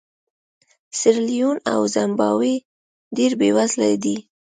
سیریلیون او زیمبابوې ډېر بېوزله دي.